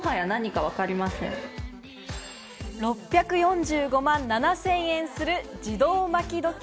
６４５万７０００円する自動巻き時計